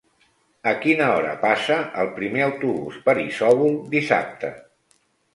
A quina hora passa el primer autobús per Isòvol dissabte?